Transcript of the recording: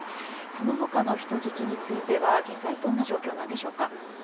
その他の人質については現在どんな状況なんでしょうか。